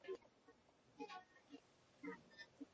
Tando za kamasi kugeuka nyeupe